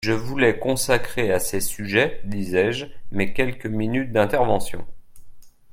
Je voulais consacrer à ces sujets, disais-je, mes quelques minutes d’intervention.